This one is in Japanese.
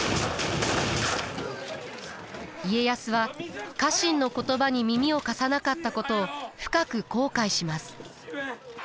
家康は家臣の言葉に耳を貸さなかったことを深く後悔します。